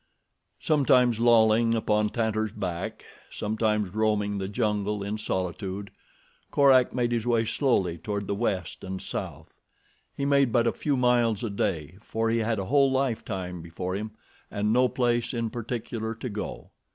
Sometimes lolling upon Tantor's back, sometimes roaming the jungle in solitude, Korak made his way slowly toward the West and South. He made but a few miles a day, for he had a whole lifetime before him and no place in particular to go.